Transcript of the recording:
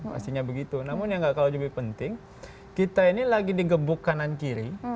pastinya begitu namun yang tidak kalau lebih penting kita ini lagi di gebuk kanan kiri